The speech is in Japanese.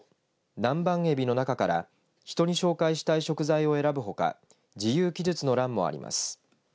南蛮エビの中から人に紹介したい食材を選ぶほか自由記述の欄もあります。